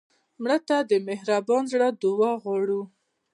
مړه ته د مهربان زړه دعا غواړو